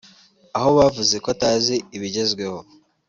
aho bavuze ko atazi ibigezweho